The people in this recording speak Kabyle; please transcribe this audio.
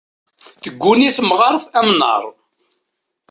Tegguni temɣart amnar.